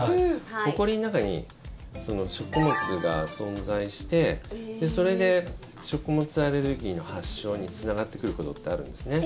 ほこりの中に食物が存在してそれで食物アレルギーの発症につながってくることってあるんですね。